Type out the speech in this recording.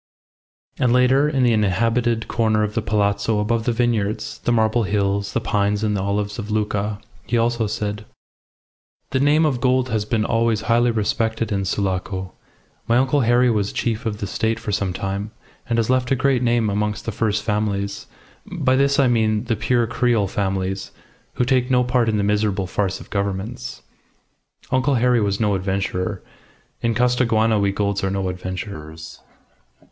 And later, in the inhabited corner of the Palazzo above the vineyards, the marble hills, the pines and olives of Lucca, he also said "The name of Gould has been always highly respected in Sulaco. My uncle Harry was chief of the State for some time, and has left a great name amongst the first families. By this I mean the pure Creole families, who take no part in the miserable farce of governments. Uncle Harry was no adventurer. In Costaguana we Goulds are no adventurers.